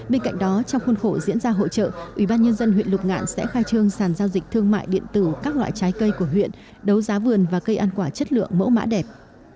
bên cạnh đó trong khuôn khổ diễn ra hội trợ ubnd huyện lục ngạn sẽ khai trương sàn giao dịch thương mại điện tử các loại trái cây của huyện đấu giá vườn và cây ăn quả chất lượng mẫu mã đẹp